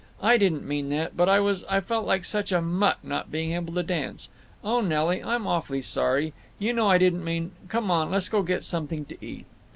"I didn't mean that, but I was—I felt like such a mutt—not being able to dance. Oh, Nelly, I'm awfully sorry. You know I didn't mean—Come on! Let's go get something to eat!"